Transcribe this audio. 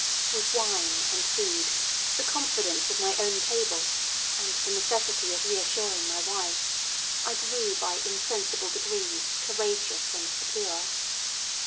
With wine and food, the confidence of my own table, and the necessity of reassuring my wife, I grew by insensible degrees courageous and secure.